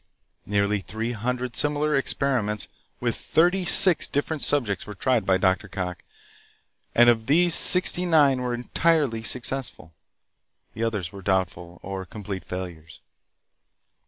Nearly three hundred similar experiments with thirty six different subjects were tried by Dr. Cocke, and of these sixty nine were entirely successful. The others were doubtful or complete failures.